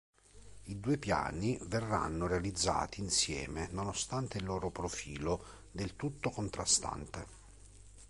I due piani verranno realizzati insieme nonostante il loro profilo del tutto contrastante.